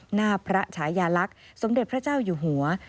หน้าพระฉายาลักษณ์สมเด็จพระเจ้าอยู่หัว